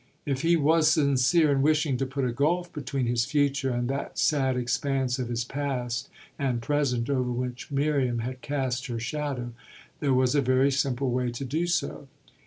If he was sincere in wishing to put a gulf between his future and that sad expanse of his past and present over which Miriam had cast her shadow there was a very simple way to do so.